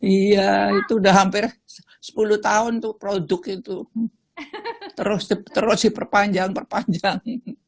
iya itu udah hampir sepuluh tahun tuh produk itu terus diperpanjang perpanjang